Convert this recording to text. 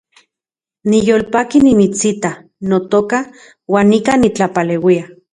Niyolpaki nimitsita, notoka, uan nikan nitlapaleuia